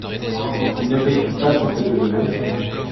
Ne fais-tu pas tout ce que je veux ?